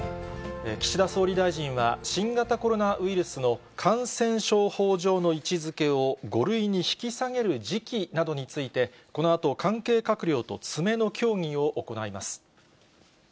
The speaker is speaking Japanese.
岸田総理大臣は、新型コロナウイルスの感染症法上の位置づけを５類に引き下げる時期などについて、このあと関係閣僚と詰めの協議を行います。